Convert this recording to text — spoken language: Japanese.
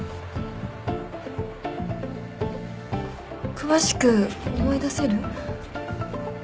詳しく思い出せる？